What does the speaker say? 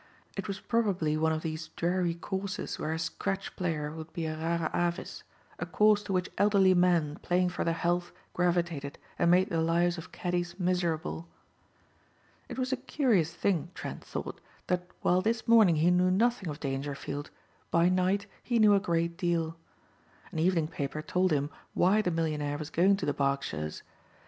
It was probably one of these dreary courses where a scratch player would be a rara avis, a course to which elderly men, playing for their health, gravitated and made the lives of caddies miserable. It was a curious thing, Trent thought, that while this morning he knew nothing of Dangerfield, by night he knew a great deal. An evening paper told him why the millionaire was going to the Berkshires.